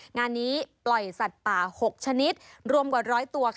งานนี้ปล่อยสัตว์ป่า๖ชนิดรวมกว่า๑๐๐ตัว